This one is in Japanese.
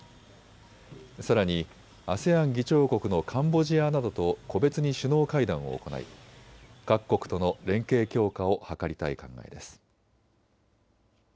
さらにＡＳＥＡＮ議長国のカンボジアなどと個別に首脳会談を行い、各国との連携強化を図りたい考えです。